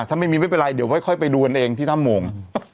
ถ้าไม่มีไม่เป็นไรเดี๋ยวค่อยไปดูกันเองที่ถ้ำโมง